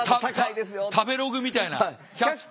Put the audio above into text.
食べログみたいな。